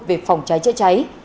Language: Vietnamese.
về phòng cháy cháy cháy